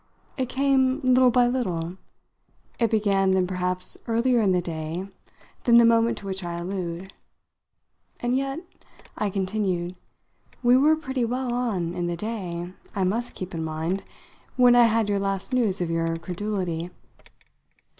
"It came little by little? It began then perhaps earlier in the day than the moment to which I allude? And yet," I continued, "we were pretty well on in the day, I must keep in mind, when I had your last news of your credulity."